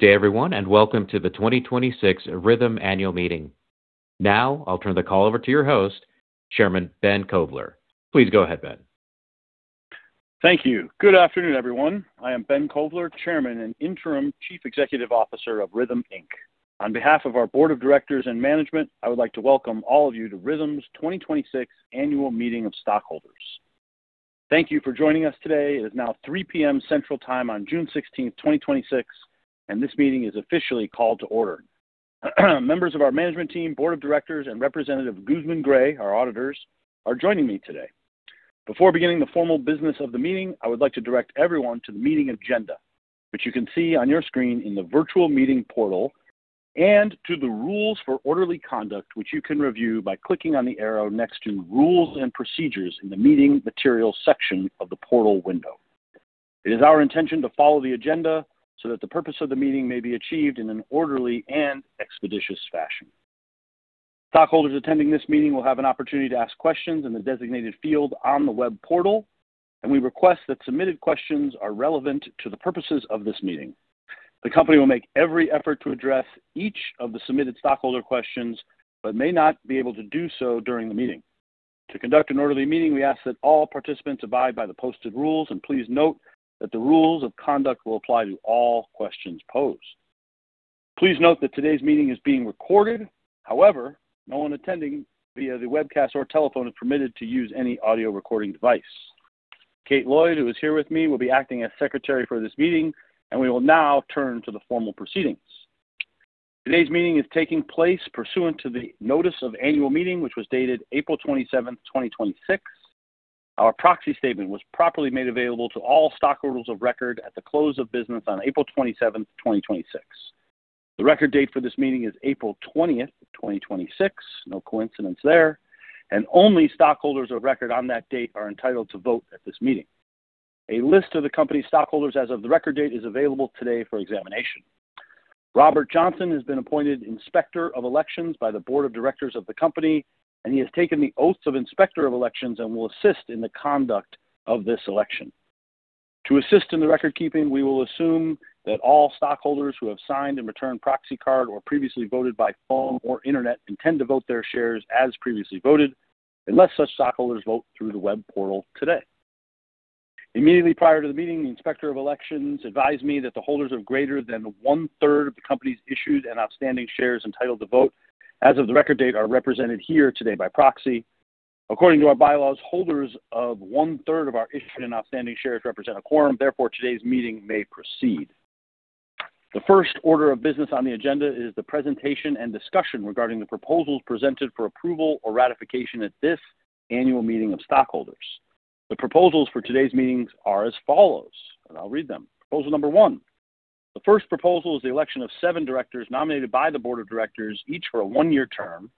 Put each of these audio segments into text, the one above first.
Good day everyone, welcome to the 2026 RYTHM Annual Meeting. I'll turn the call over to your host, Chairman Ben Kovler. Please go ahead, Ben. Thank you. Good afternoon, everyone. I am Ben Kovler, Chairman and Interim Chief Executive Officer of RYTHM, Inc. On behalf of our Board of Directors and management, I would like to welcome all of you to RYTHM's 2026 Annual Meeting of Stockholders. Thank you for joining us today. It is now 3:00 P.M. Central time on June 16th, 2026, this meeting is officially called to order. Members of our management team, Board of Directors, representative GuzmanGray, our auditors, are joining me today. Before beginning the formal business of the meeting, I would like to direct everyone to the meeting agenda, which you can see on your screen in the virtual meeting portal to the rules for orderly conduct, which you can review by clicking on the arrow next to Rules and Procedures in the Meeting Materials section of the portal window. It is our intention to follow the agenda so that the purpose of the meeting may be achieved in an orderly and expeditious fashion. Stockholders attending this meeting will have an opportunity to ask questions in the designated field on the web portal, we request that submitted questions are relevant to the purposes of this meeting. The company will make every effort to address each of the submitted stockholder questions, may not be able to do so during the meeting. To conduct an orderly meeting, we ask that all participants abide by the posted rules, please note that the rules of conduct will apply to all questions posed. Please note that today's meeting is being recorded. However, no one attending via the webcast or telephone is permitted to use any audio recording device. Kate Lloyd, who is here with me, will be acting as secretary for this meeting, we will now turn to the formal proceedings. Today's meeting is taking place pursuant to the Notice of Annual Meeting, which was dated April 27th, 2026. Our proxy statement was properly made available to all stockholders of record at the close of business on April 27th, 2026. The record date for this meeting is April 20th, 2026, no coincidence there, only stockholders of record on that date are entitled to vote at this meeting. A list of the company stockholders as of the record date is available today for examination. Robert Johnson has been appointed Inspector of Elections by the Board of Directors of the company, he has taken the oaths of Inspector of Elections will assist in the conduct of this election. To assist in the record keeping, we will assume that all stockholders who have signed and returned proxy card or previously voted by phone or internet intend to vote their shares as previously voted, unless such stockholders vote through the web portal today. Immediately prior to the meeting, the Inspector of Elections advised me that the holders of greater than 1/3 of the company's issued and outstanding shares entitled to vote as of the record date are represented here today by proxy. According to our bylaws, holders of 1/3 of our issued and outstanding shares represent a quorum. Therefore, today's meeting may proceed. The first order of business on the agenda is the presentation and discussion regarding the proposals presented for approval or ratification at this annual meeting of stockholders. The proposals for today's meetings are as follows, and I'll read them. Proposal number one. The first proposal is the election of seven directors nominated by the board of directors, each for a one-year term,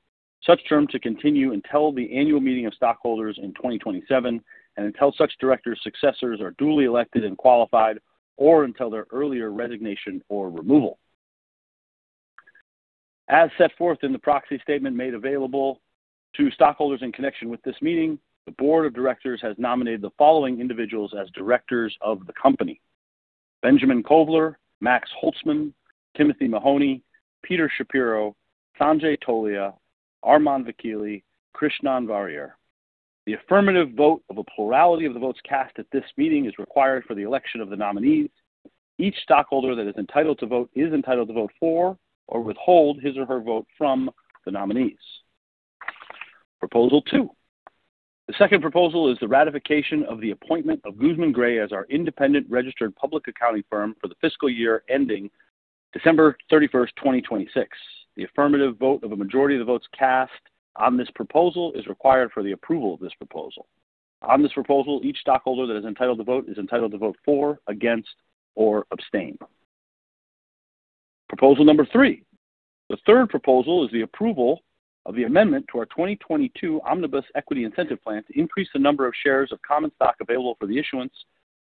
such term to continue until the annual meeting of stockholders in 2027, and until such directors successors are duly elected and qualified, or until their earlier resignation or removal. As set forth in the proxy statement made available to stockholders in connection with this meeting, the board of directors has nominated the following individuals as directors of the company. Benjamin Kovler, Max Holtzman, Timothy Mahoney, Peter Shapiro, Sanjay Tolia, Armon Vakili, Krishnan Varier. The affirmative vote of a plurality of the votes cast at this meeting is required for the election of the nominees. Each stockholder that is entitled to vote is entitled to vote for or withhold his or her vote from the nominees. Proposal two. The second proposal is the ratification of the appointment of GuzmanGray as our independent registered public accounting firm for the fiscal year ending December 31st, 2026. The affirmative vote of a majority of the votes cast on this proposal is required for the approval of this proposal. On this proposal, each stockholder that is entitled to vote is entitled to vote for, against, or abstain. Proposal number three. The third proposal is the approval of the amendment to our 2022 Omnibus Equity Incentive Plan to increase the number of shares of common stock available for the issuance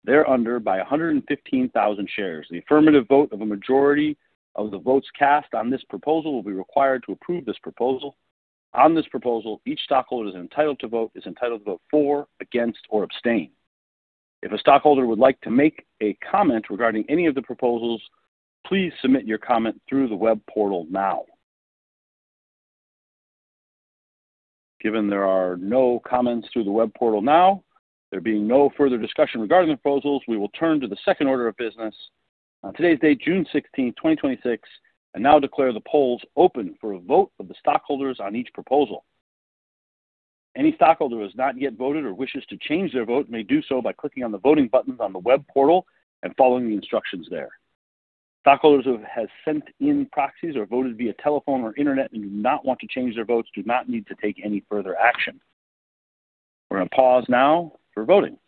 thereunder by 115,000 shares. The affirmative vote of a majority of the votes cast on this proposal will be required to approve this proposal. On this proposal, each stockholder that is entitled to vote is entitled to vote for, against, or abstain. If a stockholder would like to make a comment regarding any of the proposals, please submit your comment through the web portal now. Given there are no comments through the web portal now, there being no further discussion regarding the proposals, we will turn to the second order of business on today's date, June 16th, 2026, and now declare the polls open for a vote of the stockholders on each proposal. Any stockholder who has not yet voted or wishes to change their vote may do so by clicking on the voting buttons on the web portal and following the instructions there. Stockholders who have sent in proxies or voted via telephone or internet and do not want to change their votes do not need to take any further action. We're going to pause now for voting.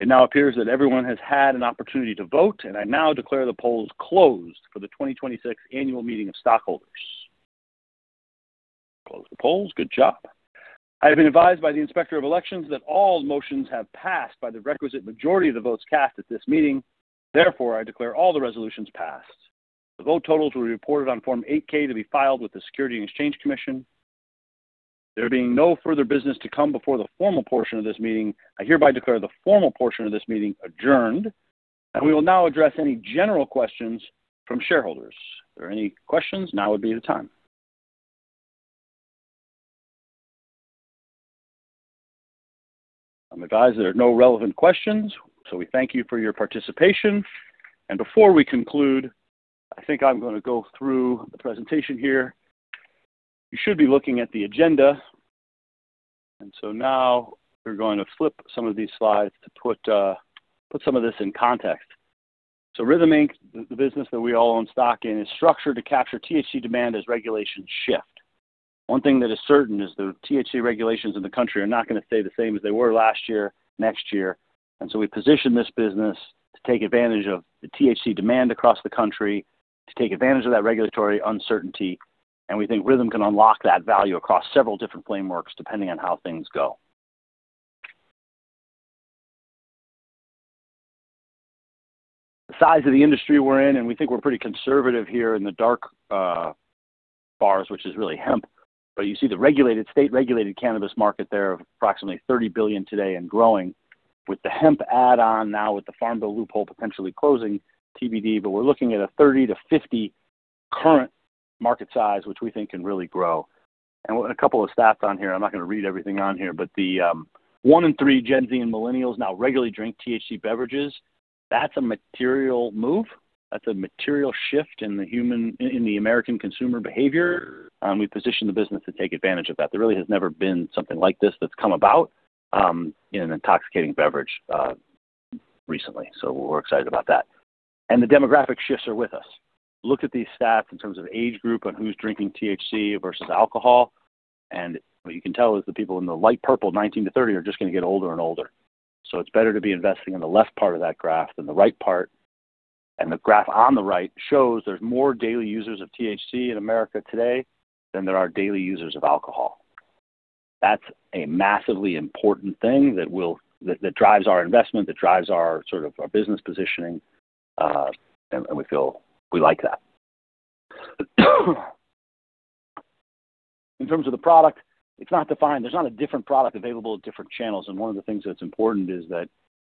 It now appears that everyone has had an opportunity to vote. I now declare the polls closed for the 2026 annual meeting of stockholders. Close the polls. Good job. I have been advised by the Inspector of Elections that all motions have passed by the requisite majority of the votes cast at this meeting. Therefore, I declare all the resolutions passed. The vote totals will be reported on Form 8-K to be filed with the Securities and Exchange Commission. There being no further business to come before the formal portion of this meeting, I hereby declare the formal portion of this meeting adjourned. We will now address any general questions from shareholders. If there are any questions, now would be the time. I'm advised there are no relevant questions, so we thank you for your participation. Before we conclude, I think I'm going to go through the presentation here. You should be looking at the agenda. Now we're going to flip some of these slides to put some of this in context. RYTHM, Inc., the business that we all own stock in, is structured to capture THC demand as regulations shift. One thing that is certain is the THC regulations in the country are not going to stay the same as they were last year, next year. We position this business to take advantage of the THC demand across the country, to take advantage of that regulatory uncertainty. We think RYTHM can unlock that value across several different frameworks depending on how things go. The size of the industry we're in, and we think we're pretty conservative here in the dark bars, which is really hemp. You see the regulated, state-regulated cannabis market there of approximately $30 billion today and growing with the hemp add on now with the Farm Bill loophole potentially closing TBD. We're looking at a $30 billion-$50 billion current market size, which we think can really grow. A couple of stats on here. I'm not going to read everything on here, but one in three Gen Z and millennials now regularly drink THC beverages. That's a material move. That's a material shift in the American consumer behavior, and we position the business to take advantage of that. There really has never been something like this that's come about, in an intoxicating beverage recently. We're excited about that. The demographic shifts are with us. Look at these stats in terms of age group and who's drinking THC versus alcohol. What you can tell is the people in the light purple, 19-30, are just going to get older and older. So it's better to be investing in the left part of that graph than the right part. The graph on the right shows there's more daily users of THC in America today than there are daily users of alcohol. That's a massively important thing that drives our investment, that drives our business positioning, and we feel we like that. In terms of the product, it's not defined. There's not a different product available at different channels. One of the things that's important is that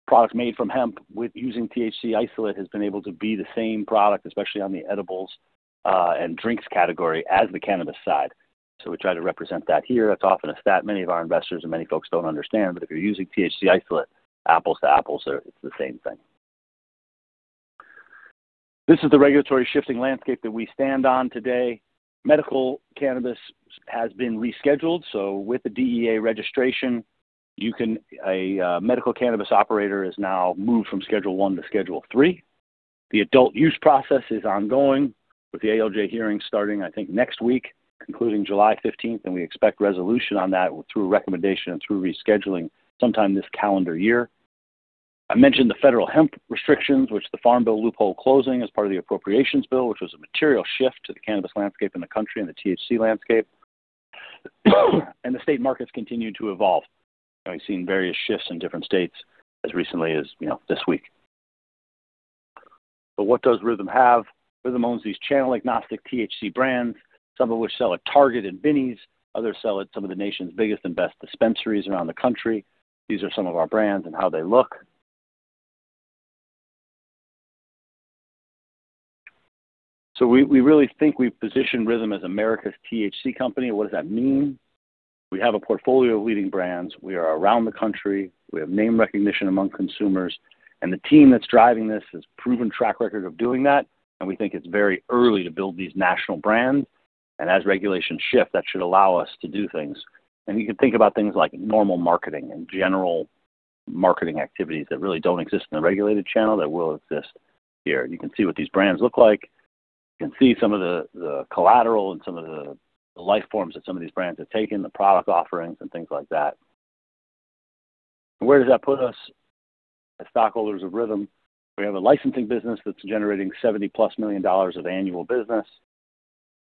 products made from hemp with using THC isolate has been able to be the same product, especially on the edibles, and drinks category as the cannabis side. We try to represent that here. That's often a stat many of our investors and many folks don't understand. If you're using THC isolate, apples to apples, it's the same thing. This is the regulatory shifting landscape that we stand on today. Medical cannabis has been rescheduled, with the DEA registration, a medical cannabis operator is now moved from Schedule I to Schedule III. The adult use process is ongoing with the ALJ hearing starting, I think, next week, concluding July 15th, we expect resolution on that through recommendation and through rescheduling sometime this calendar year. I mentioned the federal hemp restrictions, which the Farm Bill loophole closing as part of the appropriations bill, which was a material shift to the cannabis landscape in the country and the THC landscape. The state markets continue to evolve. We've seen various shifts in different states as recently as this week. What does RYTHM have? RYTHM owns these channel-agnostic THC brands, some of which sell at Target and Binny's. Others sell at some of the nation's biggest and best dispensaries around the country. These are some of our brands and how they look. We really think we've positioned RYTHM as America's THC company. What does that mean? We have a portfolio of leading brands. We are around the country. We have name recognition among consumers, the team that's driving this has proven track record of doing that, we think it's very early to build these national brands. As regulations shift, that should allow us to do things. You can think about things like normal marketing and general marketing activities that really don't exist in the regulated channel that will exist here. You can see what these brands look like. You can see some of the collateral and some of the life forms that some of these brands have taken, the product offerings and things like that. Where does that put us as stockholders of RYTHM? We have a licensing business that's generating $70+ million of annual business.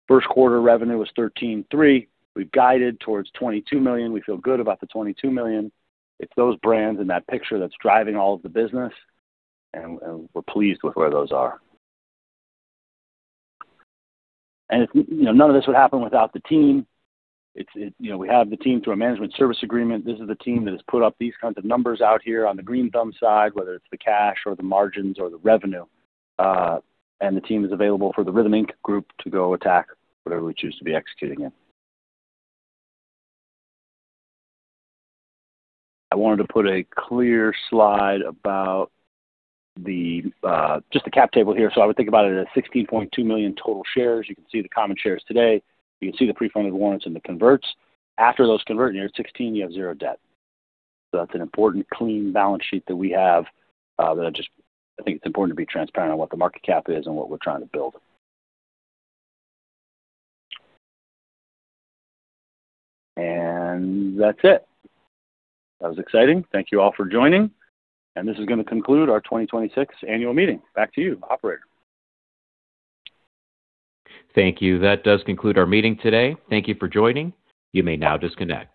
First quarter revenue was $13.3. We've guided towards $22 million. We feel good about the $22 million. It's those brands in that picture that's driving all of the business, we're pleased with where those are. None of this would happen without the team. We have the team through a management service agreement. This is the team that has put up these kinds of numbers out here on the green thumb side, whether it's the cash or the margins or the revenue. The team is available for the RYTHM Inc. group to go attack whatever we choose to be executing in. I wanted to put a clear slide about just the cap table here. I would think about it as 16.2 million total shares. You can see the common shares today. You can see the pre-funded warrants and the converts. After those convert, you're at 16, you have zero debt. That's an important clean balance sheet that we have, that I think it's important to be transparent on what the market cap is and what we're trying to build. That's it. That was exciting. Thank you all for joining, this is going to conclude our 2026 annual meeting. Back to you, operator. Thank you. That does conclude our meeting today. Thank you for joining. You may now disconnect.